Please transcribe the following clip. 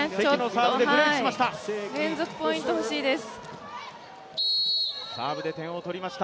連続ポイント、欲しいです。